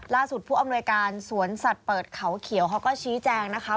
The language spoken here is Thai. ผู้อำนวยการสวนสัตว์เปิดเขาเขียวเขาก็ชี้แจงนะคะ